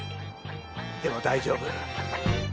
でも大丈夫。